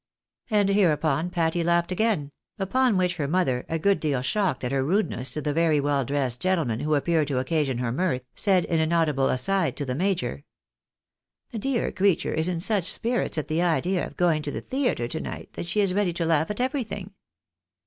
And hereupon Patty laughed again ; upon which her mother, a good deal shocked at her rudeness to the very well dressed gentle man who appeared to occasion her mirth, said in an audible aside to the major —" The dear creature is in such spirits at the idea of going to the theatre to night, that she is ready to laugh at everything."